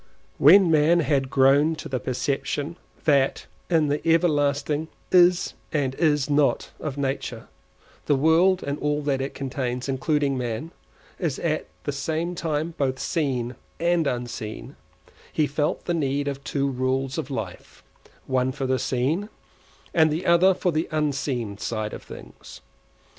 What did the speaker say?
When man had grown to the perception that in the everlasting Is and Is Not of nature, the world and all that it contains, including man, is at the same time both seen and unseen, he felt the need of two rules of life, one for the seen, and the other for the unseen side of things.